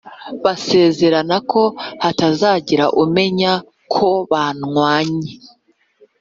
basezerana ko hatazagira umenya ko banywanye,